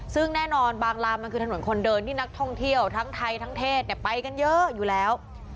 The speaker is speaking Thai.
ซึ่งแน่นอนบางลานมันคือถนนคนเดินที่นักท่องเที่ยวทั้งไทยทั้งเทศไปกันเยอะอยู่แล้ว